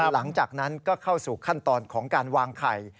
หลังจากนั้นก็เข้าสู่ขั้นตอนของการวางไข่